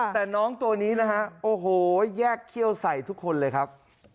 แต่น้องตัวนี้นะฮะโอ้โหแยกเขี้ยวใส่ทุกคนเลยครับ